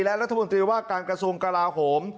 และรัฐธรรมนตรีว่าการกระทรวงกระลาฮม